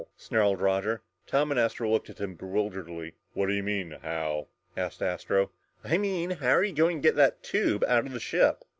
snarled Roger. Tom and Astro looked at him bewilderedly. "What do you mean 'how'?" asked Astro. "I mean how are you going to get the tube out of the ship?"